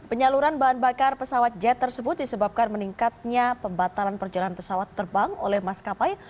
penyaluran bahan bakar pesawat jet tersebut disebabkan meningkatnya pembatalan perjalanan pesawat terbang oleh maskapai